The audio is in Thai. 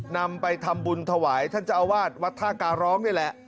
นำไปทำบุญถวายท่านเจ้าอาวาสวัดท่าการร้องนี่แหละ